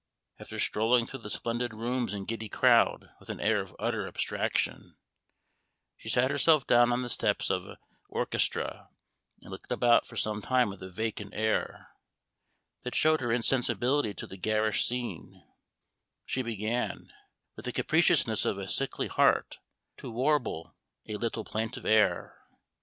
After strolling through the splendid rooms and giddy crowd with an air of utter abstraction, she sat herself down on the steps of an orchestra, and, looking about for some time with a vacant air, that showed her insensibility to the garish scene, she began, with the capriciousness of a sickly heart, to warble a little plaintive air.